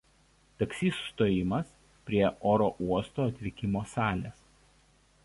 Taksi sustojimas yra prie oro uosto atvykimo salės.